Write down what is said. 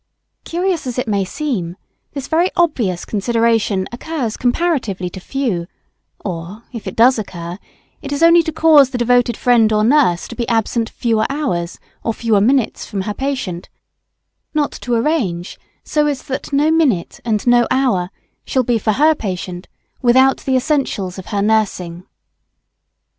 Curious as it may seem, this very obvious consideration occurs comparatively to few, or, if it does occur, it is only to cause the devoted friend or nurse to be absent fewer hours or fewer minutes from her patient not to arrange so as that no minute and no hour shall be for her patient without the essentials of her nursing.